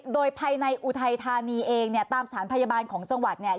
โดยภายในอุทัยธานีเองเนี่ยตามสถานพยาบาลของจังหวัดเนี่ย